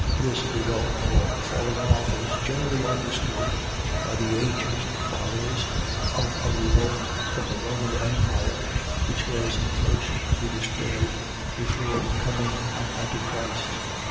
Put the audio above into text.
. .This revolt, or falling off, is generally understood, by the ancient fathers, of a revolt from the Roman empire, which was first to be destroyed, before the coming of Antichrist.